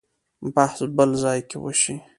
بحث بل ځای کې وشي.